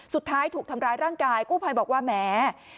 สุดท้ายถูกทำร้ายร่างกายกู้ภัยบอกว่าแหม